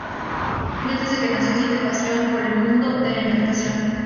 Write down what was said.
Will desde que nació siente pasión por el mundo de la interpretación.